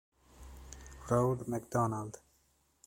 Rod McDonald